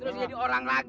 jadi orang lagi